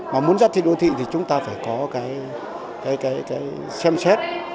mà muốn giá trị đô thị thì chúng ta phải có cái xem xét